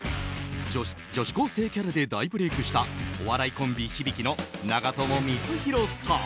女子高生キャラで大ブレイクしたお笑いコンビ響の長友光弘さん。